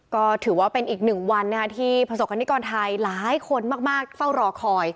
ก็ถือว่าเป็นอีกหนึ่งวันที่ประสบคณิกรไทยหลายคนมากเฝ้ารอคอย